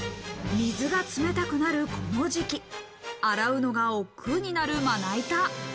水が冷たくなるこの時期、洗うのが億劫になる、まな板。